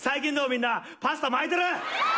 みんなパスタ巻いてる？